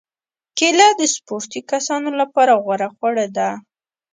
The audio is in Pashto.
کېله د سپورتي کسانو لپاره غوره خواړه ده.